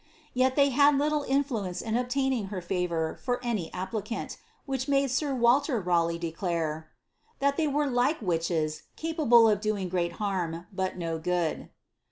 Yet they had little influence in obtaining her favour for any applicant, which made sir Waller RaJei^ declare, " that they were like witches, capable of doing great harm, but no good."